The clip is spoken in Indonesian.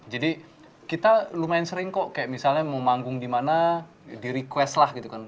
jadi kita lumayan sering kok kayak misalnya mau manggung dimana di request lah gitu kan